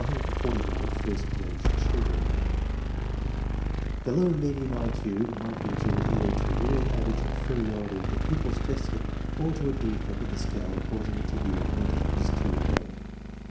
14. I Q DISTRIBUTION OF 149 FIBST GBADE CHILDREN The low median I Q might be due either to real aver age inferiority of the pupils tested or to a defect of the scale causing it to yield mental ages too low.